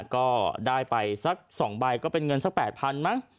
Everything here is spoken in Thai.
ก็ได้ไปสัก๒ใบก็เป็นเงินสัก๘๐๐๐มั้ง